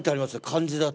漢字だと。